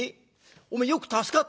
おめえよく助かったな」。